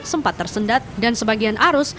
sempat tersendat dan sebagian arus